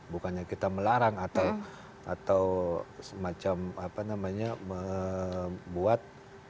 bukannya kita melarang atau semacam apa namanya membuat